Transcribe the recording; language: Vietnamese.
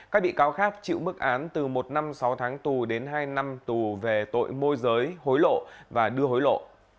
các bị cáo khác chịu mức án từ một năm sáu tháng tù đến hai năm tù về tội môi giới hối lộ và đưa hối lộ